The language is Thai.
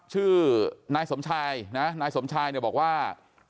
ชื่อนายสมชายนะนายสมชายเนี่ยบอกว่า